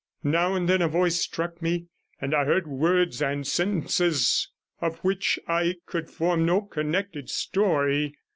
Now and then a voice struck me, and I heard words and sentences of which I could form no connected story.